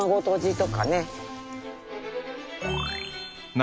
何？